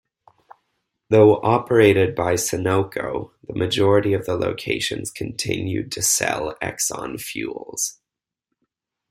Though operated by Sunoco, the majority of the locations continue to sell Exxon fuels.